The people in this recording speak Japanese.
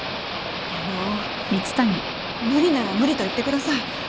あの無理なら無理と言ってください。